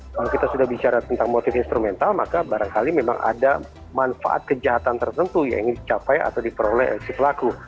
kalau kita sudah bicara tentang motif instrumental maka barangkali memang ada manfaat kejahatan tertentu yang ingin dicapai atau diperoleh oleh si pelaku